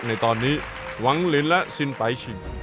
ในตอนนี้หวังลินและสินไปชิง